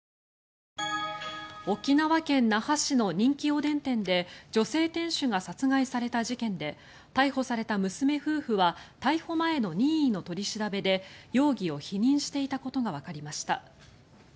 沖縄県那覇市の人気おでん店で女性店主が殺害された事件で逮捕された娘夫婦は逮捕前の任意の取り調べで容疑を否認していたことがわかりました。